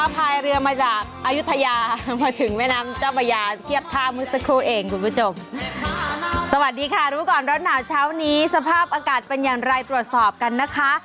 เป็นอย่างไรตรวจสอบกันนะคะ